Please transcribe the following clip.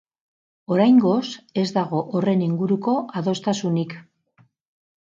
Oraingoz, ez dago horren inguruko adostasunik.